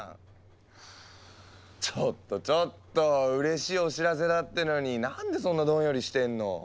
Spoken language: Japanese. うれしいお知らせだってのになんでそんなどんよりしてんの。